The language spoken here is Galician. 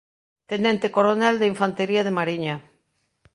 Tenente coronel de Infantería de Mariña.